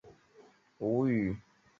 楚灵王没有责罚申无宇。